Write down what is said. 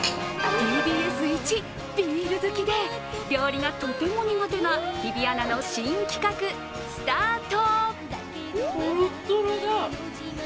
ＴＢＳいちビール好きで料理がとても苦手な日比アナの新企画、スタート。